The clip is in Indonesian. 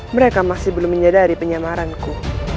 mereka masih belum menyadari penyamaranku